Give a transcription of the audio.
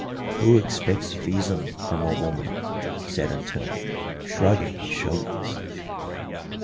"Who expects reason from a woman?" said Antonio, shrugging his shoulders.